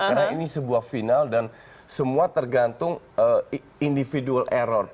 karena ini sebuah final dan semua tergantung individual error